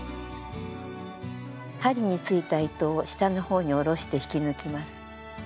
針についた糸を下の方に下ろして引き抜きます。